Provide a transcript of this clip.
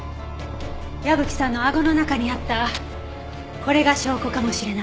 矢吹さんの顎の中にあったこれが証拠かもしれない。